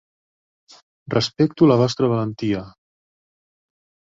Respecto la vostra valentia.